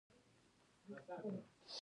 افغاني غالۍ ولې کیفیت لري؟